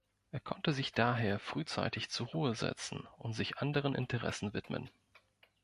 Er konnte sich daher frühzeitig zur Ruhe setzen und sich anderen Interessen widmen.